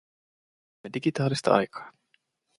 Elämme digitaalista aikaa.